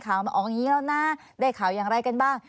เอางี้แล้วหน้าเจ็กข่าวอย่างไรกันบ้าง